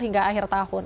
hingga akhir tahun